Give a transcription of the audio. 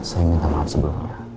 saya minta maaf sebelumnya